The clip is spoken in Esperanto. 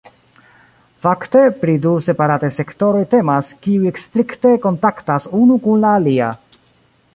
Fakte, pri du separataj sektoroj temas, kiuj strikte kontaktas unu kun la alia.